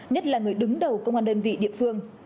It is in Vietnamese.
nhất là người đứng đầu công an đơn vị địa phương